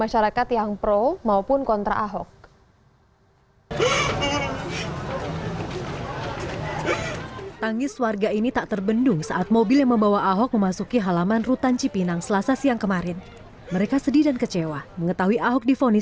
ya termasuk dari masyarakat yang pro maupun kontra ahok